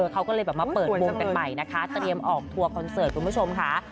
เขาก็เลยแบบมาเปิดมุมกันใหม่นะคะเตรียมออกทัวร์คอนเสิร์ตคุณผู้ชมค่ะ